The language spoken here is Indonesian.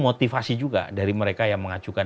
motivasi juga dari mereka yang mengajukan